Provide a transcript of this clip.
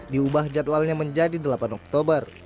diubah jadwalnya menjadi delapan oktober